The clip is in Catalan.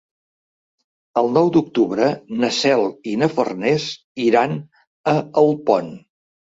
El nou d'octubre na Cel i na Farners iran a Alpont.